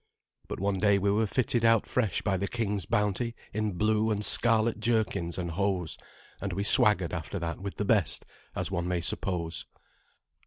But one day we were fitted out fresh by the king's bounty in blue and scarlet jerkins and hose, and we swaggered after that with the best, as one may suppose.